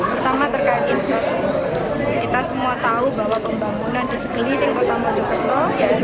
pertama terkait infrastruktur kita semua tahu bahwa pembangunan di sekeliling kota mojokerto yaitu wilayah kabupaten begitu signifikan